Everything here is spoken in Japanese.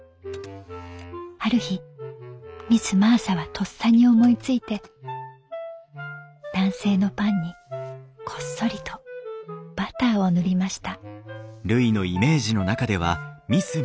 ある日ミス・マーサはとっさに思いついて男性のパンにこっそりとバターを塗りました」。